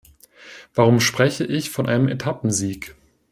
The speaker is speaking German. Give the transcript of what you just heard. Warum spreche ich von einem Etappensieg?